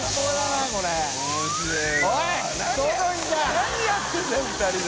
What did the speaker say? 何やってんだよ２人で。